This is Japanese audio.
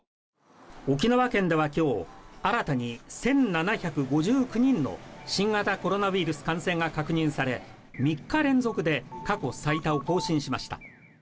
沖縄県では今日、新たに１７５９人の新型コロナウイルス感染が確認され、３日連続で過去最多を更新しました。